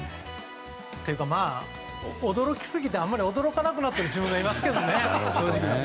というか、驚きすぎてあまり驚かなくなっている自分がいますけどね。